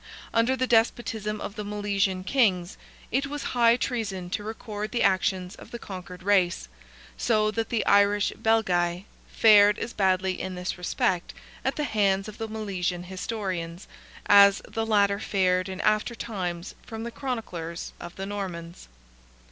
Under the despotism of the Milesian kings, it was high treason to record the actions of the conquered race; so that the Irish Belgae fared as badly in this respect, at the hands of the Milesian historians, as the latter fared in after times from the chroniclers of the Normans.